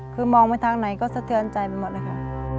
คือมองไปทางไหนก็สะเทือนใจไปหมดเลยค่ะ